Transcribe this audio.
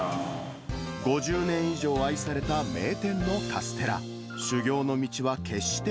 ５０年以上愛された名店のカステラ。